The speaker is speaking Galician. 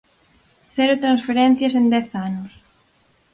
¡Cero transferencias en dez anos!